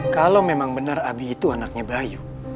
kalau memang benar abi itu anaknya bayu